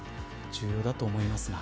重要だと思いますが。